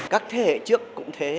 các thế hệ trước cũng thế